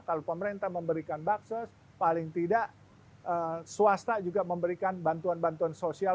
kalau pemerintah memberikan baksos paling tidak swasta juga memberikan bantuan bantuan sosial